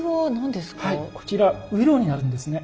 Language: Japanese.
こちら雨量になるんですね。